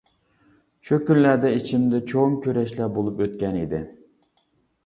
شۇ كۈنلەردە ئىچىمدە چوڭ كۈرەشلەر بولۇپ ئۆتكەن ئىدى.